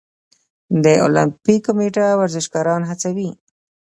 د المپیک کمیټه ورزشکاران هڅوي؟